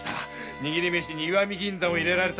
握り飯に石見銀山を入れられた。